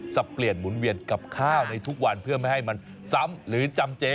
เปลี่ยนหมุนเวียนกับข้าวในทุกวันเพื่อไม่ให้มันซ้ำหรือจำเจ